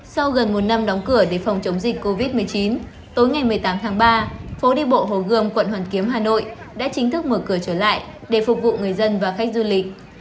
sau gần một năm đóng cửa để phòng chống dịch covid một mươi chín tối ngày một mươi tám tháng ba phố đi bộ hồ gươm quận hoàn kiếm hà nội đã chính thức mở cửa trở lại để phục vụ người dân và khách du lịch